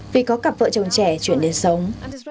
vì có cặp vợ chồng trẻ chuyển đến sống